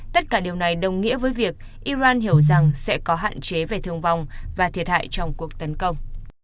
tất cả điều này đồng nghĩa với việc iran hiểu rằng sẽ có hạn chế về thương vong và thiệt hại trong cuộc tấn công